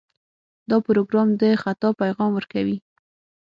دا پروګرام د خطا پیغام ورکوي.